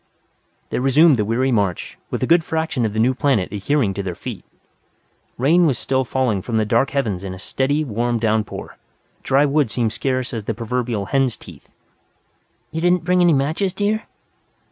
They resumed the weary march, with a good fraction of the new planet adhering to their feet. Rain was still falling from the dark heavens in a steady, warm downpour. Dry wood seemed scarce as the proverbial hen's teeth. "You didn't bring any matches, dear?"